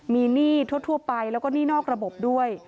มีหนี้ทั่วไปแล้วก็หนี้นอกระบบด้วย